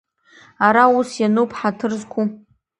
Ара ус иануп, ҳаҭыр зқәу…